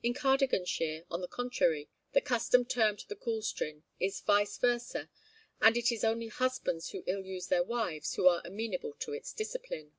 In Cardiganshire, on the contrary, the custom termed the coolstrin is vice versâ, and it is only husbands who ill use their wives who are amenable to its discipline.